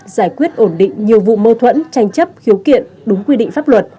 giải quyết ổn định nhiều vụ mâu thuẫn tranh chấp khiếu kiện đúng quy định pháp luật